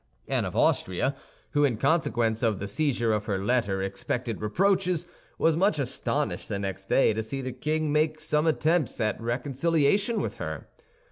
Anne of Austria, who, in consequence of the seizure of her letter, expected reproaches, was much astonished the next day to see the king make some attempts at reconciliation with her.